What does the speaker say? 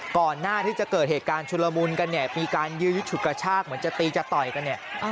ก่อนหน้าที่จะเกิดเหตุการณ์ชุลมุนกันเนี่ยมีการยื้อฉุดกระชากเหมือนจะตีจะต่อยกันเนี่ย